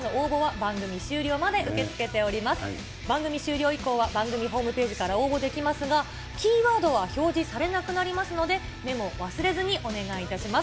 番組終了以降は、番組ホームページから応募できますが、キーワードは表示されなくなりますので、メモを忘れずにお願いいたします。